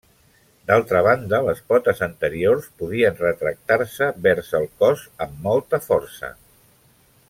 D'altra banda, les potes anteriors podien retractar-se vers el cos amb molta força.